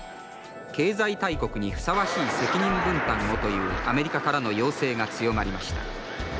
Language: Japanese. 「経済大国にふさわしい責任分担をというアメリカからの要請が強まりました」。